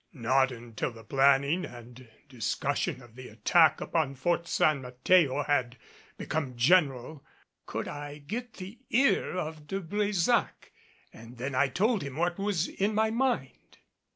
Not until the planning and discussion of the attack upon Fort San Mateo had become general could I get the ear of De Brésac and then I told him what was in my mind.